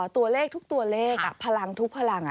ตัวเลขทุกตัวเลขพลังทุกพลัง